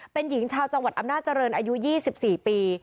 เป็นหญิงชาวจังหวัดอำนาจริงอายุ๒๔ปี